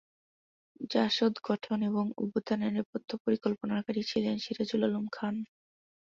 জাসদ গঠন এবং ‘অভ্যুত্থান’ এর নেপথ্য পরিকল্পনাকারী ছিলেন সিরাজুল আলম খান।